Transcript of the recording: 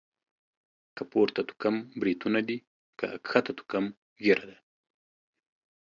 که پورته توکم بريتونه دي.، که کښته توکم ږيره ده.